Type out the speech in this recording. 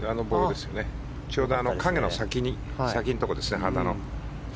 ちょうど旗の影の先のところですね。